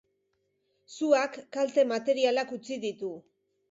Suak kalte materialak utzi ditu.